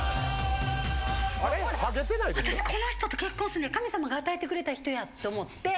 私この人と結婚すんねや神様が与えてくれた人やと思って。